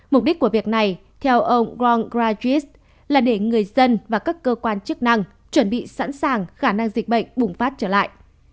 mục đích của việc này theo ông rong grajis là để người dân và các cơ quan chức năng chuẩn bị sẵn sàng khả năng dịch bệnh bùng phát trở lại